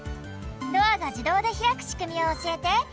ドアがじどうでひらくしくみをおしえて。